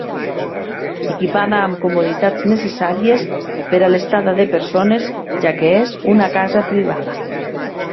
Equipada amb comoditats necessàries per a l'estada de persones, ja que és una casa privada.